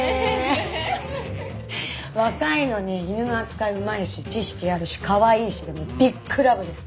若いのに犬の扱いうまいし知識あるしかわいいしでもうビッグラブです。